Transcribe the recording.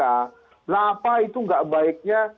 nah apa itu nggak baiknya